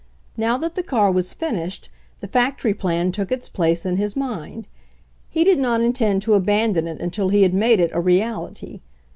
Now that the car was finished, the factory plan took its place in his mind. He did not intend to abandon it until he had made it a reality.